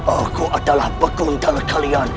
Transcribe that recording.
aku adalah pekuntal kalian